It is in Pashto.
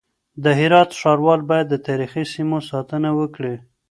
د هرات ښاروال بايد د تاريخي سيمو ساتنه وکړي.